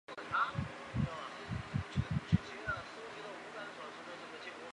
仙人掌花园是培养和展示多种类型仙人掌的花园。